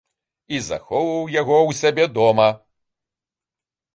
І захоўваў яго ў сябе дома.